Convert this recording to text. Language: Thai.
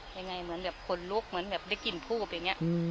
ยังไงเหมือนแบบคนลุกเหมือนแบบได้กลิ่นภูพย์อย่างเนี้ย